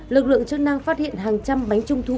lực lượng chức năng phát hiện hàng trăm bánh trung thu